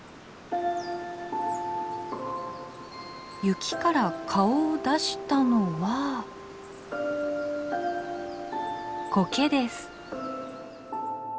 雪から顔を出したのはコケです。